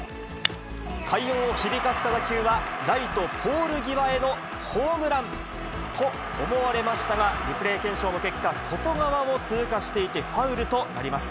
快音を響かせた打球は、ライトポール際へのホームランかと思われましたが、リプレー検証の結果、外側を通過していて、ファウルとなります。